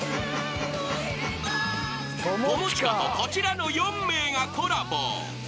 ［友近とこちらの４名がコラボ］